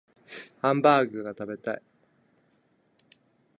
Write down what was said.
ハンバーグが食べたい